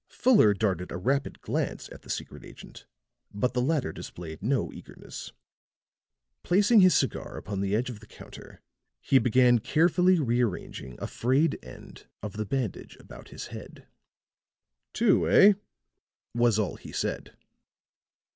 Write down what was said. Fuller darted a rapid glance at the secret agent; but the latter displayed no eagerness. Placing his cigar upon the edge of the counter, he began carefully rearranging a frayed end of the bandage about his head. "Two, eh?" was all he said.